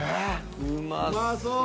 うまそう。